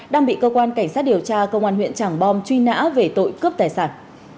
đang bị cơ quan cảnh sát điều tra công an huyện trảng bom truy nã về tội cướp tài sản